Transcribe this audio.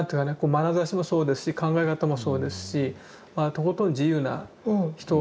まなざしもそうですし考え方もそうですしとことん自由な人であると。